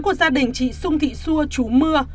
của gia đình chị xung thị xua chú mưa